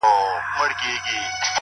دا ستا خبري مي د ژوند سرمايه ـ